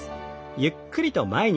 ゆっくりと前に曲げて。